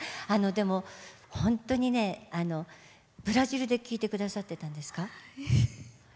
でも本当にねブラジルで聴いてくださってたんですか。